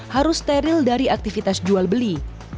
harus steril dari aktivitas jual beli